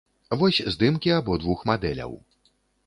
Вось здымкі абодвух мадэляў.